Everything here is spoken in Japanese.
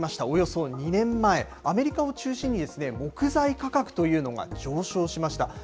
およそ２年前、アメリカを中心に木材価格というのが上昇しました。